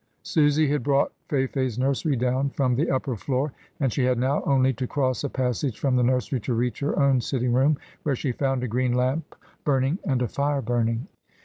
Susy had brought Fayfay's nursery down from the upper floor, and she had now only to cross a passage from the nursery to reach her own sitting room, where she found a green lamp burning and a fire burning.